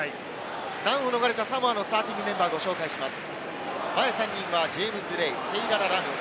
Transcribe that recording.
難を逃れたサモアのスターティングメンバーをご紹介します。